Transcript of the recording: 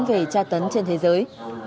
về tra tấn trên thế giới